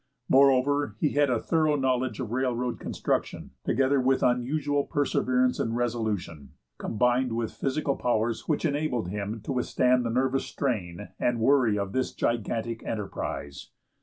Moreover, he had a thorough knowledge of railroad construction, together with unusual perseverance and resolution, combined with physical powers which enabled him to withstand the nervous strain and worry of this gigantic enterprise.